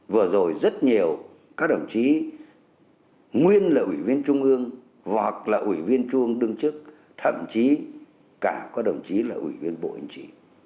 vừa rồi rất nhiều các đồng chí nguyên là ủy viên trung ương hoặc là ủy viên trung ương đương chức thậm chí cả có đồng chí là ủy viên bộ yên chỉ